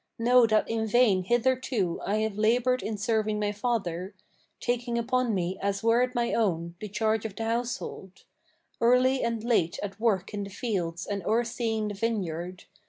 Know that in vain hitherto I have labored in serving my father, Taking upon me as were it my own, the charge of the household; Early and late at work in the fields, and o'erseeing the vineyard.